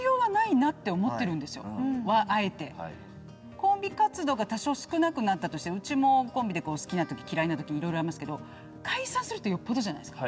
コンビ活動が多少少なくなったとしてうちもコンビで好きな時嫌いな時いろいろありますけど解散するってよっぽどじゃないですか。